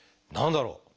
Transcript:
何だろう？